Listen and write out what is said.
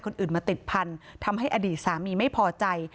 คนอื่นมาติดพันธุ์ทำให้อดีตสามีไม่พอใจ